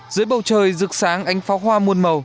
dưới bầu trời rực sáng ánh pháo hoa muôn màu